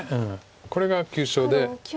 これが急所で。